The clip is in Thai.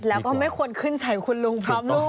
แล้วก็ไม่ควรขึ้นใส่คุณลุงพร้อมลูก